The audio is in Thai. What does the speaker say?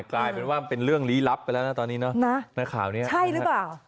กลายเป็นว่ามันเป็นเรื่องลี้ลับไปแล้วนะตอนนี้เนอะนะข่าวนี้ใช่หรือเปล่า